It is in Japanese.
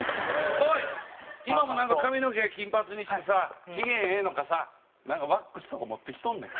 今もなんか髪の毛金髪にしてさ機嫌ええのかさなんかワックスとか持ってきとんねん。